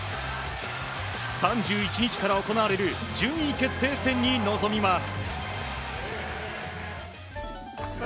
３１日から行われる順位決定戦に臨みます。